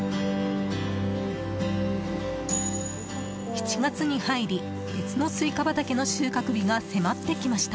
７月に入り別のスイカ畑の収穫日が迫ってきました。